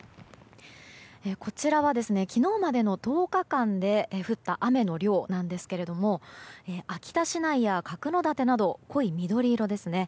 こちらは、昨日までの１０日間で降った雨の量ですが秋田市内や角館など濃い緑色ですね。